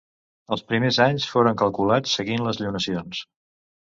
Els primers anys foren calculats seguint les llunacions.